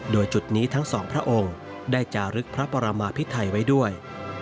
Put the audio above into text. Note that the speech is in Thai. โดยจุดนี้ทั้งสองพระองค์ได้จารึกพระปรมาพิไทยไว้ด้วย